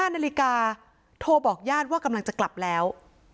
๕นาฬิกาโทรบอกญาติว่ากำลังจะกลับแล้ว